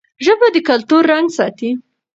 ژبه د کلتور رنګ ساتي.